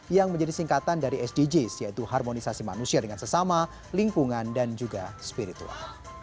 yang menjadi singkatan dari sdgs yaitu harmonisasi manusia dengan sesama lingkungan dan juga spiritual